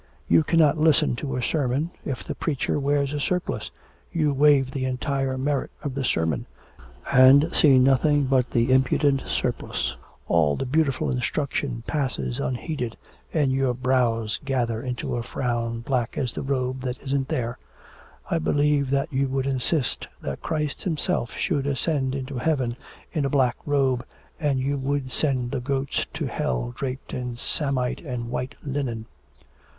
You cannot listen to a sermon if the preacher wears a surplice, you waive the entire merit of the sermon, and see nothing but the impudent surplice. All the beautiful instruction passes unheeded, and your brows gather into a frown black as the robe that isn't there.... I believe that you would insist that Christ Himself should ascend into Heaven in a black robe, and you would send the goats to hell draped in samite and white linen.'